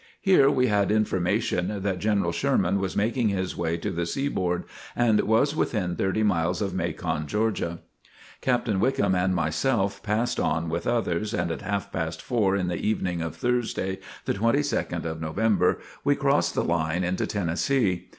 Here we had information that General Sherman was making his way to the seaboard and was within thirty miles of Macon, Georgia. Captain Wickham and myself passed on with others, and at half past four in the evening of Thursday, the 22nd of November, we crossed the line into Tennessee.